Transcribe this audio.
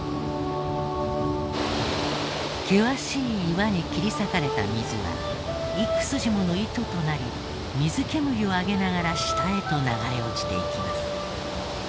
険しい岩に切り裂かれた水は幾筋もの糸となり水煙を上げながら下へと流れ落ちていきます。